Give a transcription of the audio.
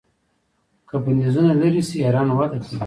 که بندیزونه لرې شي ایران وده کوي.